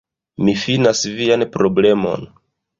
Mi finas vian problemon